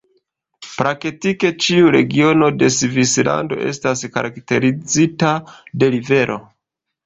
Praktike ĉiu regiono de Svislando estas karakterizita de rivero.